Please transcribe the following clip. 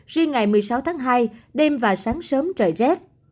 riêng ngày một mươi sáu tháng hai đêm và sáng sớm trời rét